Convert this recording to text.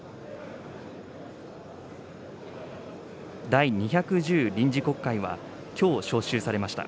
第２１０臨時国会は、きょう召集されました。